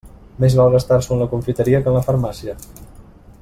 Més val gastar-s'ho en la confiteria que en la farmàcia.